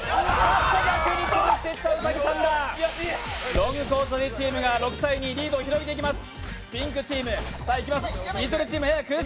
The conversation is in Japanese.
ロングコートダディチームがリードを広げていきます。